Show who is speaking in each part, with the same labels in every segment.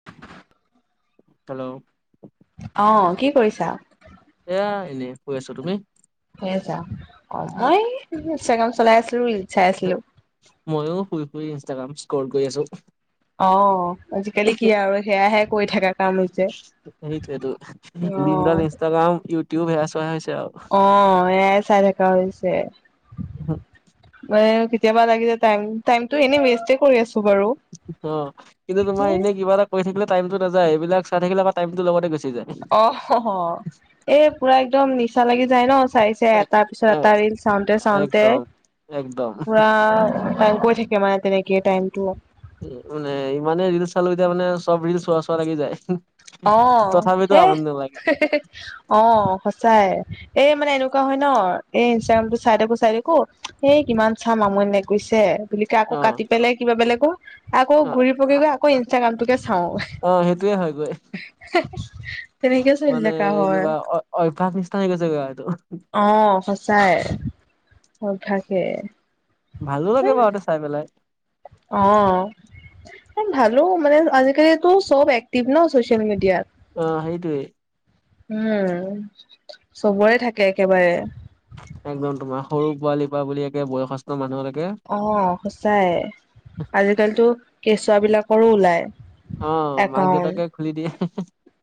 Speaker 1: [unintelligible]
Speaker 2: Hello
Speaker 1: অঁ কি কৰিছা?
Speaker 2: এয়া এনেই শুই আছো, তুমি?
Speaker 1: হে আছা অ মই ইনষ্টাগ্ৰাম চলাই আছিলো চাই আছিলো।
Speaker 2: মইয়ো শুই শুই ইনষ্টাগ্ৰাম স্কল কৰি আছো।
Speaker 1: অঁ আজিকালি কি আৰু সেয়াহে কৰি থাকা কাম হৈছে।
Speaker 2: সেটো দিনদাল
Speaker 1: অ',
Speaker 2: ইনষ্টাগ্ৰাম ইউটিউব সেয়া চোৱা হৈছে আৰু।
Speaker 1: অঁ এয়াই চাই থকা হৈছে। মানে কেতিয়াবা লাগিলে টাইম টাইমতো এনে ৱেষ্ট কৰি আছো। বাৰু।
Speaker 2: অঁ কিন্তু তোমাৰ এনেই কিবা এটা- কৰি থাকিলে টাইমটো নাযায়, এইবিলাক চাই থাকিলে টাইমটো লগতে গুচি যায়।
Speaker 1: অহঁ এ পুৰা একদম নিচা লাগি যায় ন চাই- এ তাৰ পিছত
Speaker 2: এ
Speaker 1: এটা ৰিল চাওঁতে চাওঁতে
Speaker 2: একদম একদম
Speaker 1: পুৰা। টাইম গৈ থাকে মানে তেনেকে টাইমতো।
Speaker 2: মানে ইমানে ৰিলচ চালো এতিয়া মানে চব ৰিলচ চোৱা চোৱা লাগি যায়।
Speaker 1: অ,
Speaker 2: তথাপিতো
Speaker 1: হে
Speaker 2: আমনি নালাগে
Speaker 1: [unintelligible] অ, সঁচাই এই মানে এনেকোৱা হয় ন' এই ইনষ্টাগ্ৰামতো চাই থাকো -চাই থাকো এই কিমান চাম আমনি লাগি গৈছে। বুলিকে
Speaker 2: অ
Speaker 1: আকৌ কাটি পেলাই কিবা বেলেগ কৰো আকৌ
Speaker 2: অ
Speaker 1: ঘূৰি পকি গৈ আকৌ ইনষ্টাগ্ৰামটোকে চাও।
Speaker 2: ইটোৱে হয় গৈ।
Speaker 1: তেনেকে চলি
Speaker 2: মানে
Speaker 1: থকা হয়
Speaker 2: কিবা অ- অভ্যাস নিচিনা হৈ গৈছে কিবা এইটো
Speaker 1: অ, সঁচায়ে অভ্যাসে।
Speaker 2: ভালো লাগে বাৰু তে চাই পেলাই।
Speaker 1: অ, এ ভালো মানে আজিকালিতো চব এক্টিভ ন, চচিয়েল মিডিয়াত।
Speaker 2: অ, সেইটোৱে।
Speaker 1: উম, চবৰে থাকে একেবাৰে।
Speaker 2: একদম তোমাৰ সৰু -পোৱালি পৰা বুলি একে বয়সস্থ মানুহলৈকে
Speaker 1: অ, সঁচাই আজিকালিতো কেঁচুৱা বিলাকৰো ওলায়।
Speaker 2: অ, মাক, দেউতাকে খুলি দিয়ে।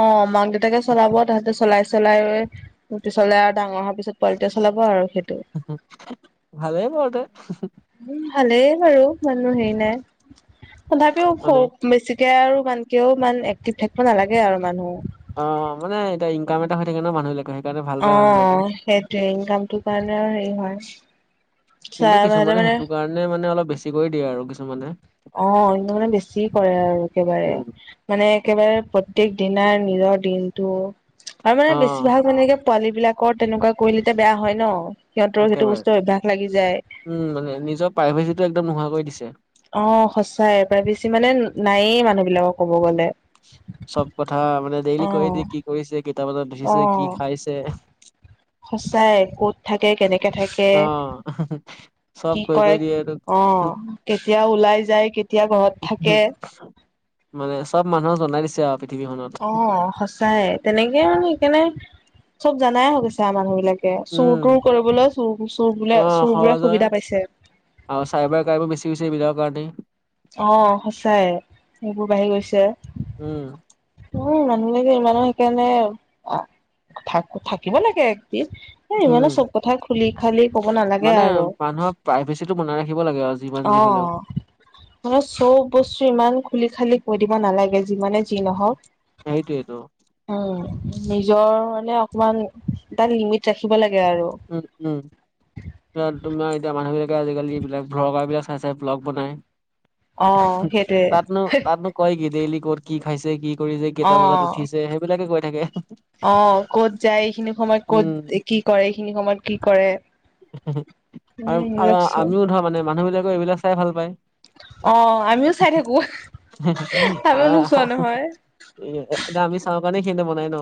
Speaker 1: অ, মাক, দেউতাকে চলাব তাহাঁতে চলাই- চলাই স্কুটি চলাই আৰু ডাঙৰ হোৱাৰ পিছত পোৱালিটোৱে চলাব আৰু সেইটো।
Speaker 2: ভালেই বাৰুতে।
Speaker 1: উম, ভালেই বাৰু ইমানো হেৰি নাই তথাপিও
Speaker 2: মানে
Speaker 1: সৌ মিছিক এতিয়া আৰু মান কেও ইমান এক্টিভ থাকিব নালাগে আৰু মানুহ।
Speaker 2: অ, মানে এতিয়া ইনকাম এটা হৈ থাকে ন' মানুহবিলাকৰ সেই
Speaker 1: অ, সেইটোৱে ইনকামটো কাৰণে আৰু হেৰি হয় চা মাজে- মাজে
Speaker 2: নে মানে অলপ বেছি কৈ দিয়ে আৰু কিছুমানে।
Speaker 1: অ, ই মানে বেছি কৰে আৰু একেবাৰে।
Speaker 2: উম
Speaker 1: মানে একেবাৰে প্ৰত্যেক দিনাৰ নিজৰ দিনটো আৰু মানে
Speaker 2: অ'
Speaker 1: বেছিভাগ এনেকে পোৱালী বিলাকৰ তেনেকুৱা কৰিলেতে বেয়া হয় ন'সিহঁতৰ সেইটো
Speaker 2: একেবাৰে
Speaker 1: বস্তু অভ্যাস লাগি যায়।
Speaker 2: উম, মানে নিজৰ প্ৰাইভেচিটো একদম নোহোৱাকৈ দিছে।
Speaker 1: অ, সঁচাই প্ৰাইভেচি মানে নায়েই মানুহ বিলাকক ক'ব গ'লে।
Speaker 2: চব কথা মানে ডেইলি
Speaker 1: অ
Speaker 2: কৈয়ে দিয়ে কি কৰিছে কেইটা বজাত উঠিছে কি খাইছে
Speaker 1: সচাই ক'ত থাকে কেনেকে থাকে
Speaker 2: অ' চব
Speaker 1: কি
Speaker 2: কৰি
Speaker 1: কৰে
Speaker 2: কৰি দিয়ে এইটো।
Speaker 1: অ, কেতিয়া ওলাই যায় কেতিয়া ঘৰত থাকে
Speaker 2: মানে চব মানুহ জনাই দিছে আও পি
Speaker 1: অ, সঁচাই তেনেকে মানে সেইকাৰণে চব জানাই হৈ গৈছে আ মানুহ বিলাকে। তে চুৰ
Speaker 2: উম
Speaker 1: তোৰ কৰিবলৈ চুৰ -চুৰ বোলে
Speaker 2: অ'
Speaker 1: চুৰ বোৰে
Speaker 2: সহজে
Speaker 1: সুবিধা পাইছে।
Speaker 2: আৰু চাইবাৰ ক্ৰাইমো বেছি হৈছে এইবিলাকৰ কাৰণে।
Speaker 1: অ, সঁচাই সেইবোৰ বাঢ়ি গৈছে। উম, মানুহে বিলাকে ইমানে সেইকাৰণে থা -থাকিব লাগে একটিভ। এ
Speaker 2: উম।
Speaker 1: ইমানো চব কথা খুলি খালি কব নালাগে
Speaker 2: মানে
Speaker 1: আৰু।।
Speaker 2: মানুহৰ প্ৰাইভেচিটো বনাই ৰাখিব লাগে আৰু যিমান যি হ'লেও
Speaker 1: অ',। মানে চব বস্তু ইমান খুলি -খালি কৈ দিব নালাগে যিমানে যি নহওক।
Speaker 2: সেইটোৱেটো।
Speaker 1: উম, নিজৰ মানে অকমান তাত লিমিট ৰাখিব লাগে আৰু।
Speaker 2: উম- উম। ইয়াত তোমাৰ এতিয়া মানুহবিলাকে আজিকালি এইবিলাক ভ্লগাৰ বিলাক চাই- চাই ব্লগ বনাই।
Speaker 1: অ
Speaker 2: [unintelligible]
Speaker 1: সেইটোৱে
Speaker 2: তাতনো -তাতনো কয় কি ডেইলি কত কি খাইছে কি শুই যে কেইটা
Speaker 1: অ
Speaker 2: বজাত উঠিছে সেইবিলাকে কৈ থাকে
Speaker 1: অ ক'ত যায় এইখিনি সময়ত ক'ত
Speaker 2: উম।
Speaker 1: কি কৰে এইখিনি সময়ত কি কৰে?
Speaker 2: [unintelligible]
Speaker 1: উম
Speaker 2: আৰু
Speaker 1: লগ চব
Speaker 2: আমিও ধৰ মানে মানে। বিলাকে এইবিলাক চাই ভাল পায়।
Speaker 1: অ আমিও চাই থাকো আমিও নোচোৱা নহয়
Speaker 2: [unintelligible] এ এতিয়া চাওঁ কাৰণে সেই নবনাই ন।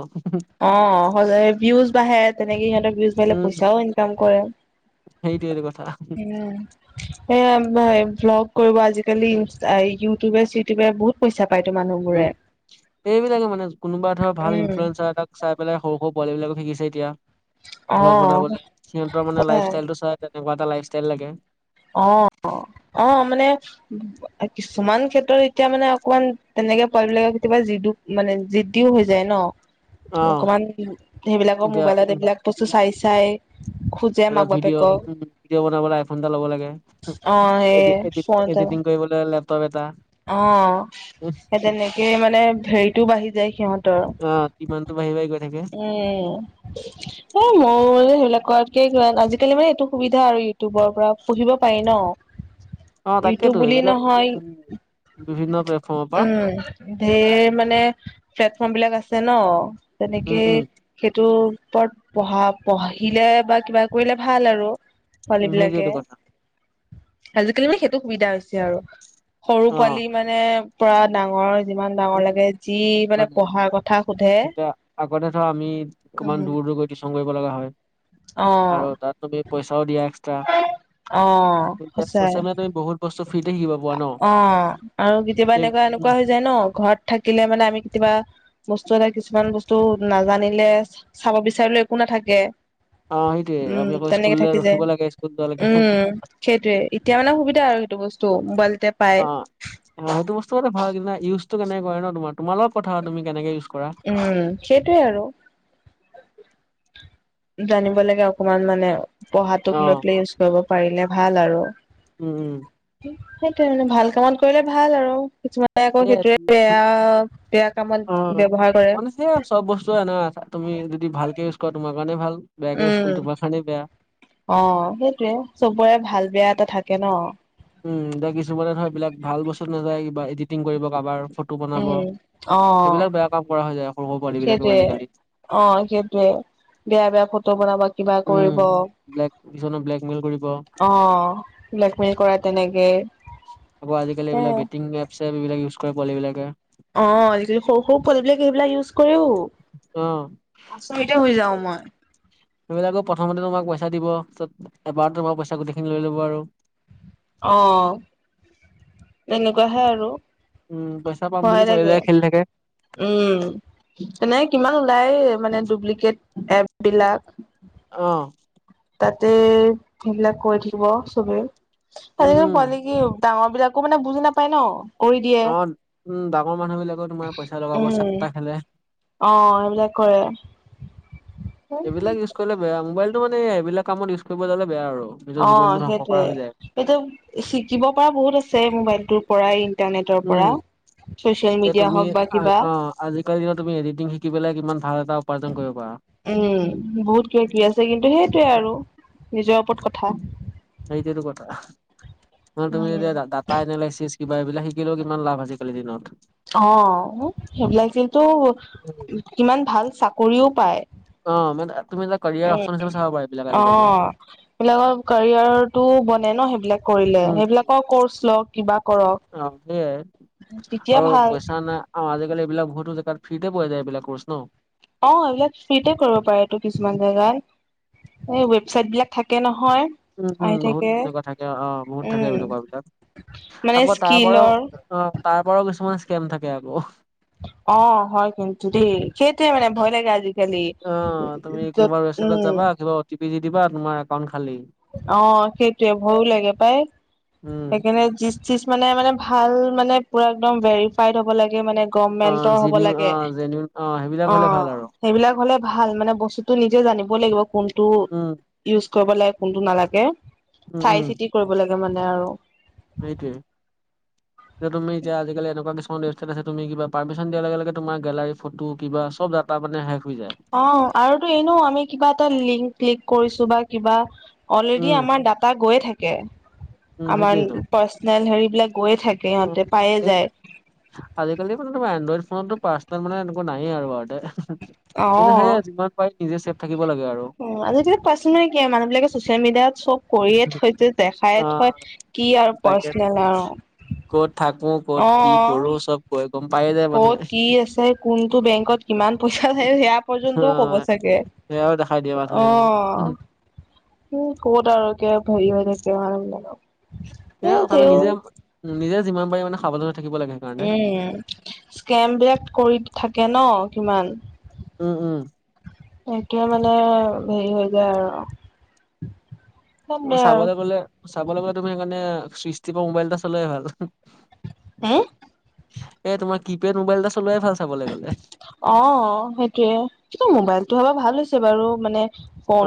Speaker 1: অ'! সজাই, ভিউজ বাঢ়ে। তেনেকে, সিহঁতে ভিউজ বেলেগ
Speaker 2: উম।
Speaker 1: পইচাও ইনকাম কৰে।
Speaker 2: সেইটোৱেইটো কথা।
Speaker 1: উম! এয়া, এ ভ্লগ কৰিব আজিকালি। ই, ইউটিউবে- চিটিউবে বহুত পইচা পাইতো মানুহ।
Speaker 2: উম! এইবিলাকে মানে, কোনোবা ধৰ, ভাল ইনফ্লুৱেঞ্চাৰ এটাক চাই পেলাই, সৰু - সৰু পোৱালিবিলাকো শিকিছে, এতিয়া
Speaker 1: অ
Speaker 2: ব্লগ বনাবলে, সিহঁতৰ মানে, লাইফ-
Speaker 1: সঁচাই
Speaker 2: ষ্টাইল টো চাই। যে, তেনেকুৱা এটা লাইফষ্টাইল লাগে।
Speaker 1: অ' অ'! মানে কিছুমান ক্ষেত্ৰত, এতিয়া মানে, অকমান তেনেকে, পোৱালিবিলাকে কেতিয়াবা, যিটো মানে, যি [unintelligible] হৈ যায় ন'।
Speaker 2: অ
Speaker 1: অকমান, সেইবিলাকৰ
Speaker 2: এতিয়া
Speaker 1: মোবাইলত,
Speaker 2: উম
Speaker 1: এইবিলাক বস্তু চাই-চাই খো
Speaker 2: বোলে ভিডিঅ। উম! ভডিঅ' বনাবলে আইফোন এটা ল'ব লাগে।
Speaker 1: অ সেই
Speaker 2: এডি- এডি,
Speaker 1: ফোন
Speaker 2: এডিটিং কৰিবলে, লেপটপ এটা।
Speaker 1: অ'! সেই তেনেকে মানে, হেৰিটো বাঢ়ি যায় সিহঁতৰ।
Speaker 2: কিমানতো, বাঢ়ি-বাঢ়ি গৈ থাকে।
Speaker 1: এ, এ, মই যে, সেইবিলাক কৰাতকে, কিবা, আজিকালি মানে, এইটো সুবিধা আৰু ইউটিউবৰ পৰা পঢ়িব পাৰি ন'?
Speaker 2: অ তাকেতো
Speaker 1: ইউটোব বুলি
Speaker 2: এইবিলাক
Speaker 1: নহয়।
Speaker 2: উম বিভিন্ন প্লেটফৰ্মৰ পৰা
Speaker 1: উম! ধেৰ মানে, প্লেটফৰ্মবিলাক আছে ন'!
Speaker 2: উম
Speaker 1: তেনেকে
Speaker 2: উম
Speaker 1: সেইটোৰ ওপৰত, পঢ়া- পঢ়িলে বা কিবা কৰিলে, ভাল আৰু।
Speaker 2: উম
Speaker 1: ছোৱালীবিলাকে,
Speaker 2: সেইটোৱেটো কথা
Speaker 1: আজিকালি মানে, সেইটো সুবিধা হৈছে আৰু। সৰু
Speaker 2: অ
Speaker 1: পোৱালি মানে, পূৰা ডাঙৰ! যিমান ডাঙৰ
Speaker 2: উম
Speaker 1: লাগে, যি মানে, পঢ়াৰ কথা সোধে।
Speaker 2: এতিয়া আগতে, ধৰা আমি,
Speaker 1: উম
Speaker 2: অকমান দূৰ -দূৰগৈ, টিউচন কৰিব লগা হয়।
Speaker 1: অ'।
Speaker 2: আৰু তাত তুমি পইচাও দিয়া এক্সট্ৰা।
Speaker 1: অ', সঁচাই।
Speaker 2: ছ'চিয়েল মিডিয়াত, তুমি বহুত বস্তু ফ্ৰীতে শিকিব পাৰা ন'? উম!
Speaker 1: যে ন'! ঘৰত থাকিলে মানে, আমি কেতিয়াবা বস্তু এটা, কিছুমান বস্তু নাজানিলে, চাব বিচাৰিলে একো নাথাকে।
Speaker 2: অ সেইটোয়ে
Speaker 1: উম!
Speaker 2: আমি আকৌ
Speaker 1: তেনেকে
Speaker 2: স্কুললৈ
Speaker 1: থাকি যায়।
Speaker 2: ৰখিব লাগে স্কুল যোৱালৈকে
Speaker 1: উম! সেইটোৱে, এতিয়া মানে, সুবিধা আৰু সেইটো বস্তু, মোবাইল টেপ
Speaker 2: অ' অ'! সেইটো বস্তু মতে ভাল। কিন্তু, ইউজটো কেনেক কৰে ন'? তোমাৰ, তোমাৰ লগ কথা, তুমি কেনেকে ইউজ কৰা?
Speaker 1: উম! সেইটোৱে আৰু। জানিব লাগে, অকমান মানে।
Speaker 2: অ
Speaker 1: পঢ়াটোক লৈ পেলাই, ইউজ কৰিব পাৰিলে ভাল আৰু।
Speaker 2: উম! উম!
Speaker 1: সেইটোৱে মানে, ভাল কামত কৰিলে, ভাল আৰু। কিছুমান আকৌ,
Speaker 2: সেয়াই
Speaker 1: সেইটোৱে,
Speaker 2: তুমি
Speaker 1: বেয়া- বেয়া কামত ব্যৱহাৰ কৰে।
Speaker 2: এ, চব বস্তুৱে এনে, তুমি যদি ভালকে ইউজ কৰা, তোমাৰ কাৰণে ভাল। বেয়াকে ইউজ কৰিলে
Speaker 1: উম!
Speaker 2: তোমাৰ কাৰণে বেয়া
Speaker 1: অ'! সেইটোৱে, চবৰে ভাল-বেয়া এটা থাকে ন'!
Speaker 2: উম! এতিয়া কিছুমানে, ধৰা বিলাক, ভাল বস্তুত নাযায়, কিবা এডিটিং কৰিব, কাবাৰ। ফ টো বনাব।
Speaker 1: অ
Speaker 2: সেইবিলাক বেয়া কাম কৰা হৈ যায়, সৰু-সৰু পোৱালি বিলাকেও
Speaker 1: সেইটোৱে
Speaker 2: আজিকালি।
Speaker 1: অ'! সেইটোৱে, বেয়া-বেয়া ফটো বনাব। কিবা
Speaker 2: উম
Speaker 1: কৰিব। অ'!
Speaker 2: ব্লেক কিছুমানে ব্লেকমেইল কৰিব
Speaker 1: ব্লেকমেইল কৰা। তেনেকে।
Speaker 2: আকৌ, আজিকালি
Speaker 1: হে
Speaker 2: এইবিলাক, বেটিং এপছে, এইবিলাক ইউজ কৰে, পোৱালি বিলাকে।
Speaker 1: অ'! আজিকালি, সৰু- সৰু পোৱালি বিলাকে ইউজ কৰেও।
Speaker 2: অ
Speaker 1: আচৰিতে হৈ যাওঁ মই।
Speaker 2: সেইবিলাকো প্ৰথমতে তোমাক পইচা দিব, তাৰপিছত এবাৰ তোমাৰ পইচা গোটেইখিনি লৈ ল'ব আৰু',
Speaker 1: অ', এনেকুৱাহে আৰু',
Speaker 2: উম পইচা', পাম বুলি
Speaker 1: ভয়
Speaker 2: কৈ
Speaker 1: লাগে',
Speaker 2: পেলাই খেলি থাকে
Speaker 1: উম! এনেই কিমান ওলাই, মানে, ডুপ্লিকেট এপ বিলাক?
Speaker 2: অ'!
Speaker 1: তাতে, সেইবিলাক কৰি থাকিব চবেই।
Speaker 2: উম
Speaker 1: আজিকলি
Speaker 2: উম
Speaker 1: পোৱালি কি ডাঙৰ বিলাকো মানে, বুজি নাপায় ন'! কৰি দিয়ে।
Speaker 2: অ', উম', ডাঙৰ মানুহ বিলাকেও তোমাৰ পইচা লগাব চাতটা খেলে',
Speaker 1: অ', এইবিলাক কৰে',
Speaker 2: এইবিলাক ইউজ কৰিলে বেয়া, মোবাইলটো মানে এইবিলাক কামত ইউজ কৰিব যালে বেয়া আৰু নিজৰ
Speaker 1: অ
Speaker 2: জীৱনত ধংস
Speaker 1: সেইটোৱে।
Speaker 2: কৰা হৈ যায়',
Speaker 1: এইটো, শিকিব পৰা বহুত আছে মোবাইলটোত', পৰাই ইণ্টাৰনেটৰ
Speaker 2: উম
Speaker 1: পৰা, ছচিয়েল
Speaker 2: যে
Speaker 1: মিডিয়া
Speaker 2: তুমি
Speaker 1: হওঁক বা কিবা',
Speaker 2: অ আজিকালি দিনত তুমি এডিটিং শিকি পেলে কিমান ভাল এটা উপাৰ্জন কৰিব পাৰা',
Speaker 1: উম', -উম', -উম', বহুত কিবা কি আছে কিন্তু সেইটোৱে আৰু নিজৰ ওপৰত কথা',
Speaker 2: সেইটোৱে টো কথা, তুমি এতিয়া দাঁ'-দাঁত', ফাইনেলেচিছ কিবা এইবিলাক শিকিলেও কিমান লাভ আজিকালি দিনত',
Speaker 1: অও', সেইবিলাক যিহেতু, কিমান ভাল চাকৰিও পায়',
Speaker 2: অ', মানে তুমি কেৰিয়াৰ অপচন হিচাবে চাব পাৰিবা এইবিলাক আজিকালি',
Speaker 1: এইবিলাকৰ কেৰিয়াৰ টো বনে ন সেইবিলাক', কৰিলে,
Speaker 2: উম
Speaker 1: সেইবিলাকৰ কোৰ্চ লওঁক কিবা কৰক,
Speaker 2: অ', সেইয়াই
Speaker 1: তেতিয়া
Speaker 2: আৰু
Speaker 1: ভাল',
Speaker 2: পইচা নাই অ', আজিকালি এইবিলাক বহুতো জেগাত ফ্ৰীতে পোৱা যায় এইবিলাক কোৰ্চ ন',
Speaker 1: অ', এইবিলাক ফ্ৰিতে কৰিব পাৰেটো কিছুমান জেগাত', এই ৱেবচাইট বিলাক থাকে নহয়',
Speaker 2: উম', - উম',
Speaker 1: আহি
Speaker 2: বহুত
Speaker 1: থাকে
Speaker 2: তেনেকুৱা থাকে অ', বহুত থাকে
Speaker 1: উম
Speaker 2: এনেকুৱা বিলাক',
Speaker 1: মানে
Speaker 2: আকৌ তাৰপৰাও,
Speaker 1: স্কিলৰ
Speaker 2: অ', তাৰপৰাও কিছুমান স্কেম থাকে আকৌ',
Speaker 1: অ', হয় কিন্তু দেই, সেইটোৱে মানে ভয় লাগে আজি',
Speaker 2: অ', তুমি কিবা ৱেবচাইটত
Speaker 1: উম
Speaker 2: যাবা কিবা অ টি পি দি দিবা তোমাৰ একাউণ্ট খালি',
Speaker 1: অ', সেইটোৱে ভয়ো লাগে পাই,
Speaker 2: উম,
Speaker 1: সেইকাৰণে যি', কিছুমানে, মানে ভাল মানে পুৰা একদম ভেৰিফাইড হ'ব লাগে মানে',
Speaker 2: অ',
Speaker 1: গভমেন্টৰ হ'ব
Speaker 2: জিনিউ
Speaker 1: লাগে,
Speaker 2: অ', জেনিউ অ', সেইবিলাক হ'লে
Speaker 1: অ',
Speaker 2: ভাল আৰু।
Speaker 1: সেইবিলাক হ'লে ভাল মানে বস্তুতটো নিজে জানিব লাগিব কোনটো
Speaker 2: উম,
Speaker 1: ইউজ কৰিব লাগে', কোনটো নালাগে,
Speaker 2: উম,
Speaker 1: চাই- চিতি কৰিব লাগে মানে আৰু',
Speaker 2: সেইটোৱেই',
Speaker 1: [unintelligible]
Speaker 2: যে তুমি এতিয়া আজাকালি এনেকুৱা কিছুমান ৱেবছাইট আছে তুমি কিবা পাৰমিচন দিয়াৰ লগে', -লগে', তোমাৰ গেলাৰি ফটো কিবা চব ডাটা', তাৰমানে শেষ হৈ যায়',
Speaker 1: অ', আৰু তো', এনেও আমি কিবা এটা লিংক ক্লিক কৰিছোঁ বা কিবা', অলৰেডিয়ে
Speaker 2: উম।
Speaker 1: আমাৰ ডাটা গৈয়ে থাকে,
Speaker 2: উম
Speaker 1: আমাৰ পাৰ্চনেল হেৰি বিলাক গৈয়ে থাকে', সিহঁতে
Speaker 2: উম',
Speaker 1: পায়ে
Speaker 2: এই',
Speaker 1: যায়
Speaker 2: আজিকালি মানে তোমাৰ এনড্ৰইড ফোনতো পাৰ্চনেল মানে এনেকুৱা নাহেই আৰু বাৰু দে হুম', -হুম',
Speaker 1: অ
Speaker 2: কিন্তু সেয়ে যিমান পাৰি নিজে চেফ থাকিব লাগে আৰু',
Speaker 1: অ', আজিকালি পাৰ্চনেল কি আৰু মানুহ বিলাকে ছচিয়েল মিডিয়াত চব', কৰিয়ে থৈ যে দেখায়ে থৈ
Speaker 2: অ'
Speaker 1: কি আৰু
Speaker 2: তাকেতো।
Speaker 1: পাৰ্চনেল আৰু',
Speaker 2: ক'ত থাকো
Speaker 1: অ
Speaker 2: ক'ত কি কৰোঁ চব', কয়, গম পায় যায়', মানুহে।
Speaker 1: ক'ত কি আছে, কোনটো বেংকত কিমান পইচা, ‌সে', - সেয়া পৰ্যন্তও ক'ব
Speaker 2: অ'
Speaker 1: চাগে',
Speaker 2: সেয়াও দেখাই দিব তুমি অ', হুহ',
Speaker 1: উম', ক'ত আৰু কিয় হেৰি হৈ থাকে মানে মানুহবিলাকৰ',
Speaker 2: সেয়ে তথাপি নিজে উম', নিজে যিমান পাৰি মানে সাৱধানত থাকিব লাগে। সেইকাৰণে।
Speaker 1: উম স্কেম বিলাক কৰি থাকে ন কিমান।
Speaker 2: উম, উম।
Speaker 1: এইটোয়ে মানে হেৰি হৈ যায় আৰু। ইমান বেয়া আৰু
Speaker 2: চাবলৈ গলে, চাবলৈ গলে তুমি সেইকাৰণে চুইচটিপা মোবাইল এটা চলাই ভাল।
Speaker 1: হোম',
Speaker 2: এ', তোমাৰ কি পেড মোবাইল এটা চলোৱাই ভাল চাবলৈ গ'লে',
Speaker 1: অওওও', সেইটোয়ে, কিন্তু মোবাইলটো হ'লে ভাল হৈছে বাৰু মানে',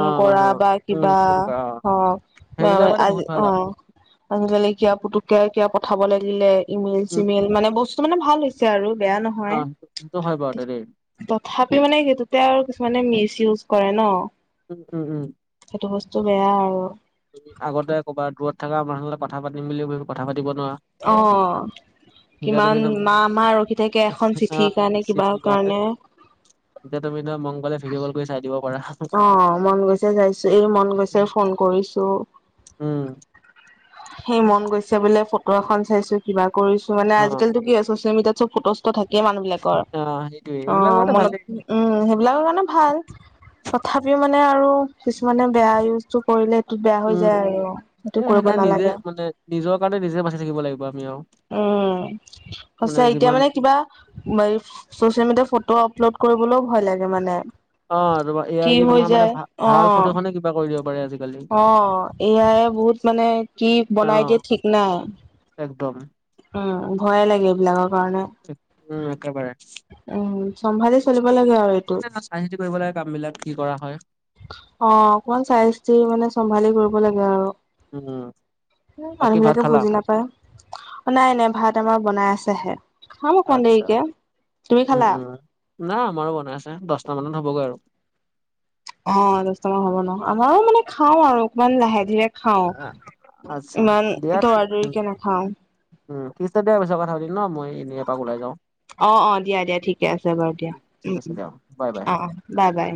Speaker 2: অ
Speaker 1: কৰা
Speaker 2: মানুহ
Speaker 1: বা
Speaker 2: উম
Speaker 1: কিবা
Speaker 2: ফোন কৰা
Speaker 1: অ', -অ', মে',
Speaker 2: সেইবিলাক
Speaker 1: -মে',
Speaker 2: মানে
Speaker 1: আজি
Speaker 2: বহুত ভাল
Speaker 1: অ',
Speaker 2: আৰু
Speaker 1: অনজালিকা, পুতুককে কিয় পঠাব লাগিলে ইমেইল
Speaker 2: উম উম
Speaker 1: চিমেইল মানে বস্তু কিছো মানে ভাল হৈছে আৰু বেয়া নহ
Speaker 2: অ এইটো হয় বা [unintelligible]
Speaker 1: তথাপিও মানে সেইটোতে আৰু কিছুমানে মিচ ইউজ কৰে ন।
Speaker 2: উম, উম, উম।
Speaker 1: সেইটো বস্তু বেয়া আৰু।
Speaker 2: আগতে ক'বা দূৰত থকা মনুহলে কথা পাতিম বুলি ভাবি কথা পাতিব নোৱাৰা।
Speaker 1: অ।
Speaker 2: এতিয়া তুমি
Speaker 1: কিমান
Speaker 2: ধৰ
Speaker 1: মা, মাহ ৰখি থাকে এখন
Speaker 2: অ
Speaker 1: চিঠিৰ কাৰণে, কিবা কাৰণে।
Speaker 2: এতিয়া তুমি ন মংগলে ভিডিঅ' কল কৰি চাই দিব পাৰা।
Speaker 1: অ মন গৈছে যাইছো, এই মন গৈছে ফোন কৰিছো।
Speaker 2: উম
Speaker 1: সেই মন গৈছে বোলে ফটো এখন চাইছো, কিবা কৰিছো, মানে
Speaker 2: অ
Speaker 1: আজিকালটো কি হয়, চচিয়েল মিডিয়াত চব ফটো থাকেই মানুহ বিলাকৰ,
Speaker 2: অ সেইটোয়ে
Speaker 1: অ
Speaker 2: এইবিলাক বাৰুতে
Speaker 1: মনত
Speaker 2: ভালেই
Speaker 1: উম সেইবিলাকৰ কাৰণে ভাল। তথাপিও মানে আৰু কিছুমানে বেয়া ইউজটো কৰিলে টো বেয়া হৈ
Speaker 2: উম
Speaker 1: যায়
Speaker 2: উম
Speaker 1: আৰু
Speaker 2: এ
Speaker 1: সেইটো কৰিব
Speaker 2: সেইকাৰণে নিজে
Speaker 1: নালাগে।
Speaker 2: মানে নিজৰ কাৰণে নিজে বাচি থাকিব লাগিব আমি আৰু।
Speaker 1: উম সচাই, এতিয়া মানে কিবা চচিয়েল মিডিয়া ফটো আপলোড কৰিবলৈও ভয় লাগে মানে।
Speaker 2: অ তোমাৰ এ
Speaker 1: কি
Speaker 2: আই ডি
Speaker 1: হৈ
Speaker 2: তোমাৰ মানে,
Speaker 1: যায়
Speaker 2: ভাল ভাল
Speaker 1: অ
Speaker 2: ফটো খনে কিবা কৰি দিব পাৰে আজি
Speaker 1: অ এয়াইে বহুত মানে কি
Speaker 2: অ
Speaker 1: বনাই দিয়ে ঠিক নাই।
Speaker 2: একদম
Speaker 1: উম ভয়ে লাগে এইবিলাকৰ কাৰণে।
Speaker 2: উম একেবাৰে।
Speaker 1: উম, সম্ভালিচ
Speaker 2: [unintelligible] চাই চিতি কৰিব লাগে কাম বিলাক কি কৰা হয়।
Speaker 1: অ অকমান চাই চিতি মানে, চম্ভালি কৰিব লাগে আৰু।
Speaker 2: উম
Speaker 1: এ
Speaker 2: বাকী
Speaker 1: মানুহ
Speaker 2: ভাত
Speaker 1: বিলাকে
Speaker 2: খালা
Speaker 1: বুজিলা নাপায়। নাই নাই ভাত আমাৰ বনাই আছেহে, খাম অকণ
Speaker 2: আচ্ছা
Speaker 1: দেৰিকে। তুমি
Speaker 2: উম
Speaker 1: খালা?
Speaker 2: উম নাই আমাৰো বনাই আছে, দচটা মানত হ'বগৈ আৰু।
Speaker 1: অ দচটা মান হ'ব ন, আমাৰো মানে খাই আৰু অকমান লাহে ধীৰে খাওঁ,
Speaker 2: আচ্ছা
Speaker 1: ইমান
Speaker 2: দিয়া
Speaker 1: তৰা
Speaker 2: উম
Speaker 1: তৰিকে নাখাওঁ।
Speaker 2: উম, থিক আছে দে পাছত কথা পাতিম ন মই এনেই এপাক ওলাই যাওঁ
Speaker 1: অ, অ দিয়া দিয়া ঠিকে আছে বাৰু দিয়া।
Speaker 2: ঠিক
Speaker 1: উম
Speaker 2: আছে
Speaker 1: উম
Speaker 2: দিয়া বাই বাই
Speaker 1: অ, অ। বাই, বাই।